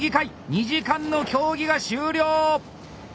２時間の競技が終了！